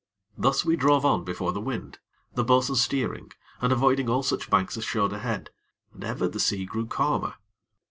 Thus we drove on before the wind, the bo'sun steering, and avoiding all such banks as showed ahead, and ever the sea grew calmer.